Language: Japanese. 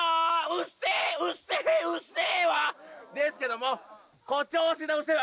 うっせぇうっせぇうっせぇわですけども誇張したうっせぇ